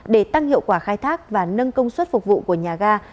để tăng hiệu quả khai thác và nâng công suất phục vụ của nhà ga